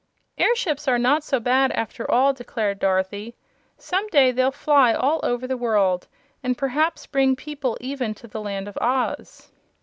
"Airships are not so bad, after all," declared Dorothy. "Some day they'll fly all over the world, and perhaps bring people even to the Land of Oz."